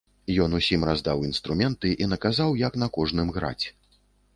Ён усім раздаў інструменты і наказаў, як на кожным граць.